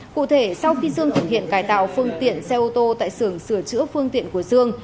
cụ thể sau khi sương thực hiện cải tạo phương tiện xe ô tô tại xưởng sửa chữa phương tiện của dương